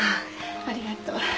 ありがとう。